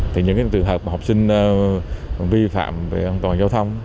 thì những trường hợp mà học sinh vi phạm về an toàn giao thông